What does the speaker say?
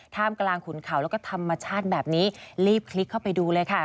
มกลางขุนเขาแล้วก็ธรรมชาติแบบนี้รีบคลิกเข้าไปดูเลยค่ะ